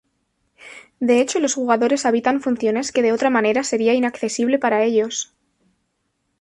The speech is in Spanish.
De hecho, los jugadores habitan funciones que de otra manera sería inaccesible para ellos.